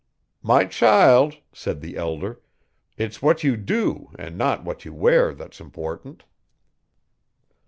'My child,' said the elder, 'it's what you do and not what you wear that's important.'